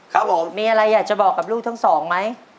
ครับผมมีอะไรอยากจะบอกกับลูกทั้งสองไหม